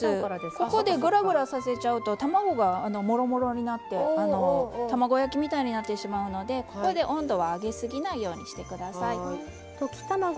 ここでガラガラさせちゃうと卵がぼろぼろになって卵焼きみたいになってしまうので温度を上げすぎないようにしてください。